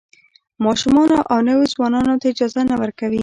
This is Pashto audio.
ماشومانو او نویو ځوانانو ته اجازه نه ورکوي.